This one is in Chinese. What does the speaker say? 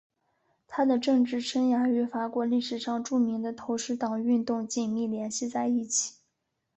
他的政治生涯与法国历史上著名的投石党运动紧密联系在一起。